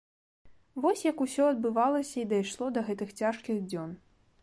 Вось як усё адбывалася і дайшло да гэтых цяжкіх дзён.